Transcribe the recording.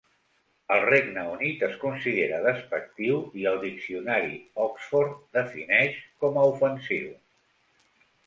Al Regne Unit es considera despectiu, i el diccionari Oxford defineix com a ofensiu.